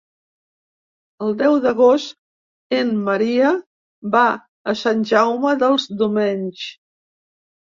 El deu d'agost en Maria va a Sant Jaume dels Domenys.